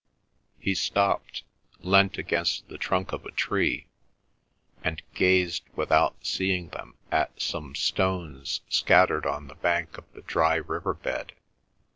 He stopped, leant against the trunk of a tree, and gazed without seeing them at some stones scattered on the bank of the dry river bed.